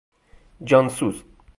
جان سوز